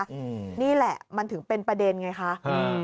อืมนี่แหละมันถึงเป็นประเด็นไงคะอืม